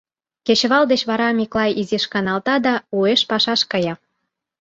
Кечывал деч вара Миклай изиш каналта да уэш пашаш кая.